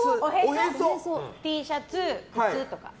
Ｔシャツ、靴とか。